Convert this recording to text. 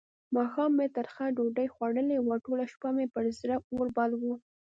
ماښام مې ترخه ډوډۍ خوړلې وه؛ ټوله شپه مې پر زړه اور بل وو.